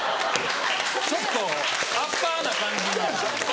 ちょっとアッパーな感じ。